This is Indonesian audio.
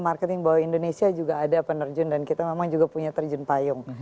marketing bahwa indonesia juga ada penerjun dan kita memang juga punya terjun payung